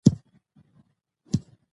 د الحاق او جعلي متونو ترمتځ ډېر لږ فرق سته.